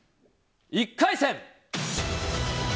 １回戦！